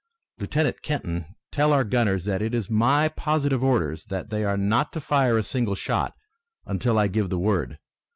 Lieutenant Kenton, tell our gunners that it is my positive orders that they are not to fire a single shot until I give the word.